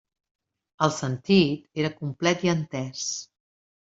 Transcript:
El sentit era complet i entès.